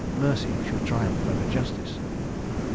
Mercy should triumph over justice."